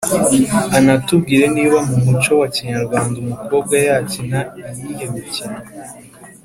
anatubwire niba mu muco wa kinyarwanda umukobwa yakina iyihe mikino